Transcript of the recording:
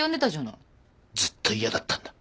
ずっと嫌だったんだ。